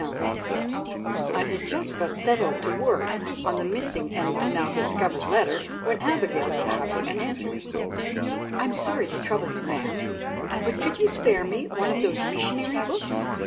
I had just got settled to work on the missing and now discovered letter, when Abigail tapped and entered. "I'm sorry to trouble you, ma'am, but could you spare me one of those Missionary books?"